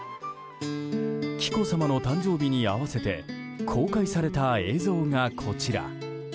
紀子さまの誕生日に合わせて公開された映像がこちら。